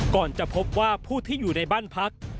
ก่อนจะพบว่าผู้ที่อยู่ในบ้านพัก